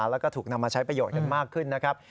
แล้วก็ถูกนำมาใช้ประโยชน์กันมากขึ้นนะครับ